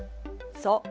そう。